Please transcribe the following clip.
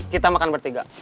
kita makan bertiga